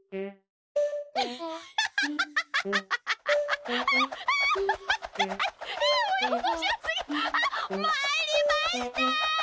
ハッまいりました！